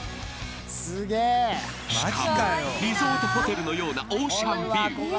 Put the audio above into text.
しかもリゾートホテルのようなオーシャンビュー。